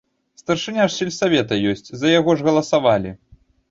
Старшыня ж сельсавета ёсць, за яго ж галасавалі!